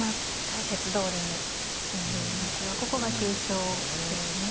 解説どおりに進んでいますがここが急所ですね。